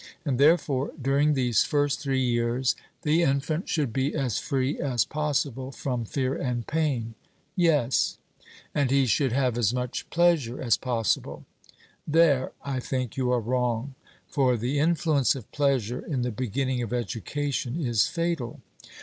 And, therefore, during these first three years, the infant should be as free as possible from fear and pain. 'Yes, and he should have as much pleasure as possible.' There, I think, you are wrong; for the influence of pleasure in the beginning of education is fatal.